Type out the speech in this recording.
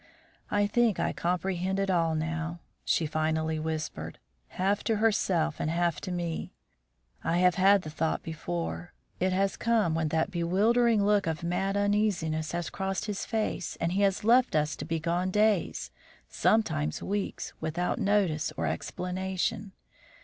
"I think I comprehend it all now," she finally whispered, half to herself and half to me. "I have had the thought before; it has come when that bewildering look of mad uneasiness has crossed his face and he has left us to be gone days, sometimes weeks, without notice or explanation.